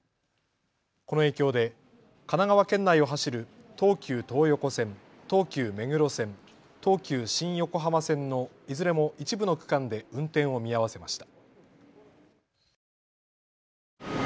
この影響で神奈川県内を走る東急東横線、東急目黒線、東急新横浜線のいずれも一部の区間で運転を見合わせました。